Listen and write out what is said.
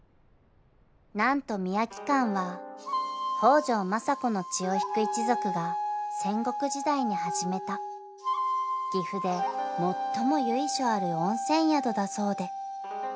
［何と水明館は北条政子の血を引く一族が戦国時代に始めた岐阜で最も由緒ある温泉宿だそうで］